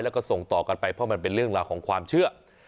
แล้วก็ส่งต่อกันไปเพราะมันเป็นเรื่องราวของความเชื่อ